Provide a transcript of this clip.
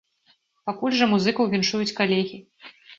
Пакуль жа музыкаў віншуюць калегі!